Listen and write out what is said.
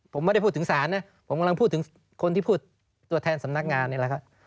ผมไม่ได้พูดถึงศาลนะผมกำลังพูดถึงคนที่พูดตัวแทนสำนักงานนี่แหละครับ